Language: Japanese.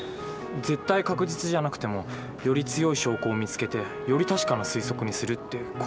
絶対確実じゃなくてもより強い証拠を見つけてより確かな推測にするってこういう事なのか。